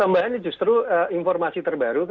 ya tambahan ini justru informasi terbaru